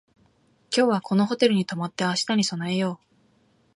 今日はこのホテルに泊まって明日に備えよう